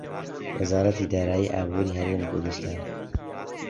وەزارەتی دارایی و ئابووری هەرێمی کوردستان